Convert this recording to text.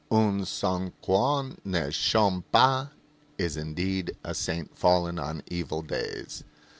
Un saint qu'on ne chôme pas is indeed a saint fallen on evil days.